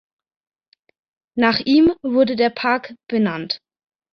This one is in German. Nach ihm wurde der Park benannt.